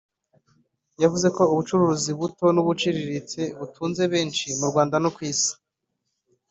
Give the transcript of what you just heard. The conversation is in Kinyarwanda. yavuze ko ubucuruzi buto n’ubuciriritse butunze benshi mu Rwanda no ku isi